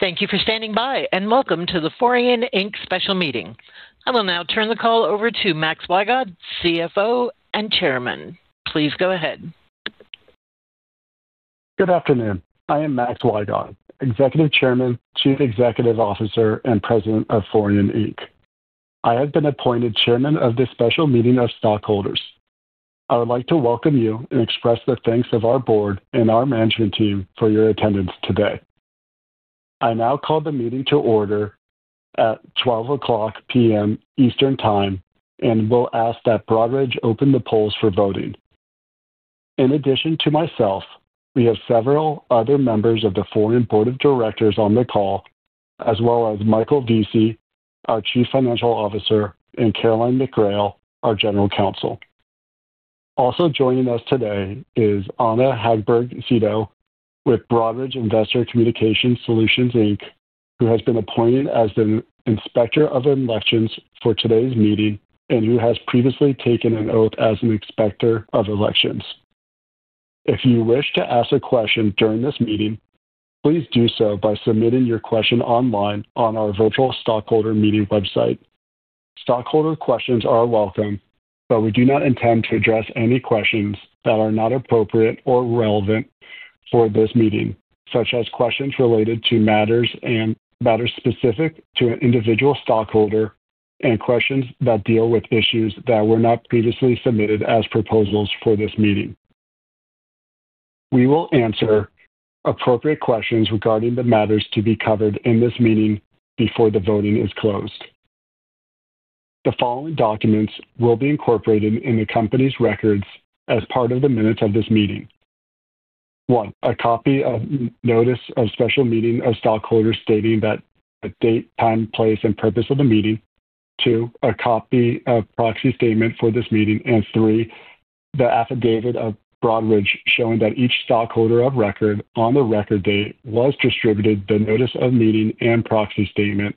Thank you for standing by, and welcome to the Forian Inc special meeting. I will now turn the call over to Max Wygod, CEO and Chairman. Please go ahead. Good afternoon. I am Max Wygod, Executive Chairman, Chief Executive Officer, and President of Forian Inc. I have been appointed Chairman of this special meeting of stockholders. I would like to welcome you and express the thanks of our board and our management team for your attendance today. I now call the meeting to order at 12:00 P.M. Eastern Time, and will ask that Broadridge open the polls for voting. In addition to myself, we have several other members of the Forian Board of Directors on the call, as well as Michael Vesey, our Chief Financial Officer, and Caroline McGrail, our General Counsel. Also joining us today is Anna Hagberg, with Broadridge Investor Communication Solutions, Inc., who has been appointed as the Inspector of Elections for today's meeting and who has previously taken an oath as an Inspector of Elections. If you wish to ask a question during this meeting, please do so by submitting your question online on our virtual stockholder meeting website. Stockholder questions are welcome, but we do not intend to address any questions that are not appropriate or relevant for this meeting, such as questions related to matters specific to an individual stockholder and questions that deal with issues that were not previously submitted as proposals for this meeting. We will answer appropriate questions regarding the matters to be covered in this meeting before the voting is closed. The following documents will be incorporated in the company's records as part of the minutes of this meeting: one, a copy of notice of special meeting of stockholders stating the date, time, place, and purpose of the meeting; two, a copy of proxy statement for this meeting; and three, the affidavit of Broadridge showing that each stockholder of record on the record date was distributed the notice of meeting and proxy statement,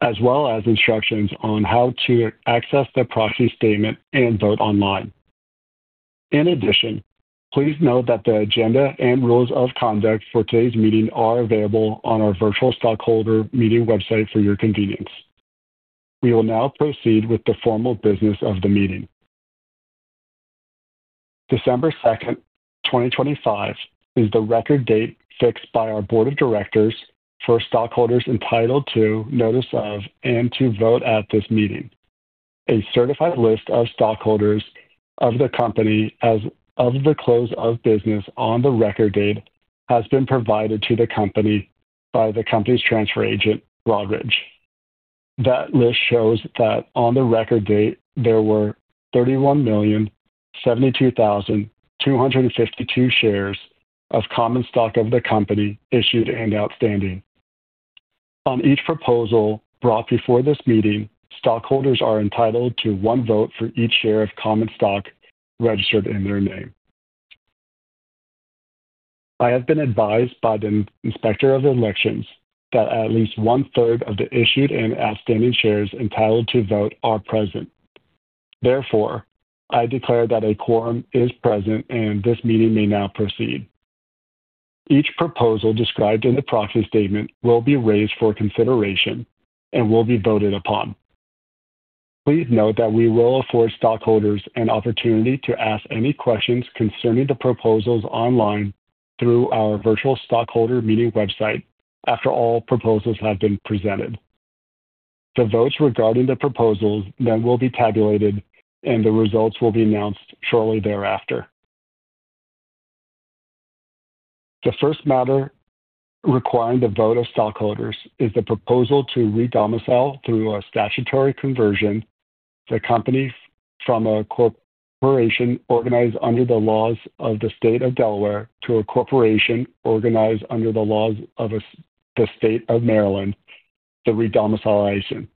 as well as instructions on how to access the proxy statement and vote online. In addition, please note that the agenda and rules of conduct for today's meeting are available on our virtual stockholder meeting website for your convenience. We will now proceed with the formal business of the meeting. December 2nd, 2025, is the record date fixed by our Board of Directors for stockholders entitled to, notice of, and to vote at this meeting. A certified list of stockholders of the company as of the close of business on the record date has been provided to the company by the company's transfer agent, Broadridge. That list shows that on the record date there were 31,072,252 shares of common stock of the company issued and outstanding. On each proposal brought before this meeting, stockholders are entitled to one vote for each share of common stock registered in their name. I have been advised by the Inspector of Elections that at least one-third of the issued and outstanding shares entitled to vote are present. Therefore, I declare that a quorum is present, and this meeting may now proceed. Each proposal described in the proxy statement will be raised for consideration and will be voted upon. Please note that we will afford stockholders an opportunity to ask any questions concerning the proposals online through our virtual stockholder meeting website after all proposals have been presented. The votes regarding the proposals then will be tabulated, and the results will be announced shortly thereafter. The first matter requiring the vote of stockholders is the proposal to re-domicile through a statutory conversion the company from a corporation organized under the laws of the state of Delaware to a corporation organized under the laws of the state of Maryland, the re-domiciliation.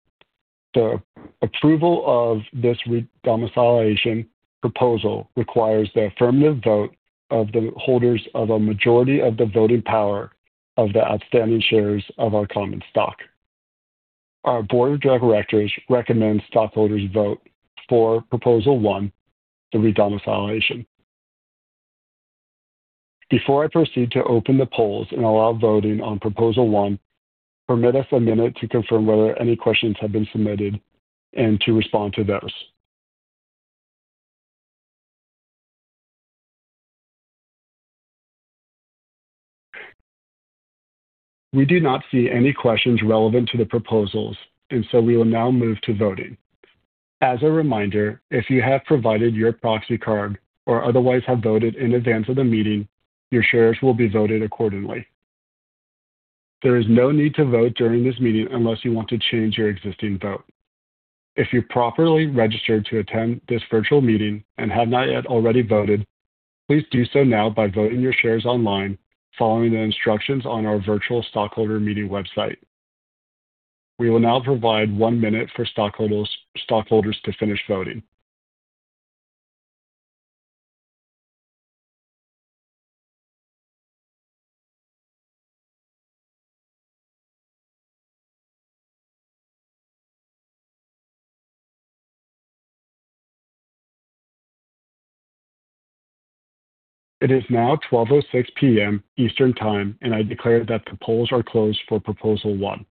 The approval of this re-domiciliation proposal requires the affirmative vote of the holders of a majority of the voting power of the outstanding shares of our common stock. Our Board of Directors recommends stockholders vote for Proposal One, the re-domiciliation. Before I proceed to open the polls and allow voting on Proposal One, permit us a minute to confirm whether any questions have been submitted and to respond to those. We do not see any questions relevant to the proposals, and so we will now move to voting. As a reminder, if you have provided your proxy card or otherwise have voted in advance of the meeting, your shares will be voted accordingly. There is no need to vote during this meeting unless you want to change your existing vote. If you properly registered to attend this virtual meeting and have not yet already voted, please do so now by voting your shares online following the instructions on our virtual stockholder meeting website. We will now provide one minute for stockholders to finish voting. It is now 12:06 P.M. Eastern Time, and I declare that the polls are closed for Proposal One.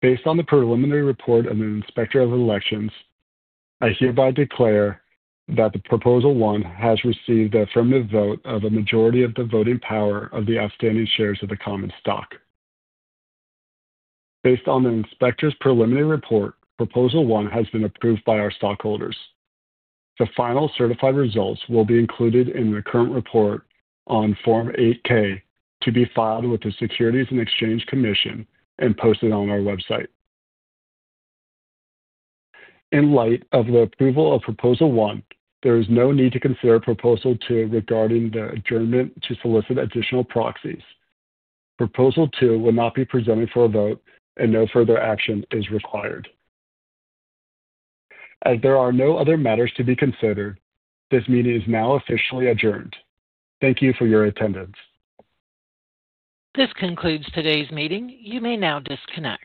Based on the preliminary report of the Inspector of Elections, I hereby declare that Proposal One has received the affirmative vote of a majority of the voting power of the outstanding shares of the common stock. Based on the Inspector's preliminary report, Proposal One has been approved by our stockholders. The final certified results will be included in the current report on Form 8-K to be filed with the Securities and Exchange Commission and posted on our website. In light of the approval of Proposal One, there is no need to consider Proposal Two regarding the adjournment to solicit additional proxies. Proposal Two will not be presented for a vote, and no further action is required. As there are no other matters to be considered, this meeting is now officially adjourned. Thank you for your attendance. This concludes today's meeting. You may now disconnect.